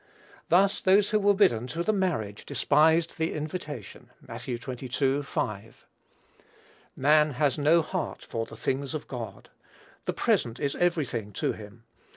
Thus those who were bidden to the marriage despised the invitation. (Matt. xxii. 5.) Man has no heart for the things of God. The present is every thing to him.